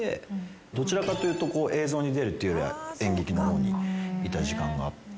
どちらかというと映像に出るっていうよりは演劇の方にいた時間があって。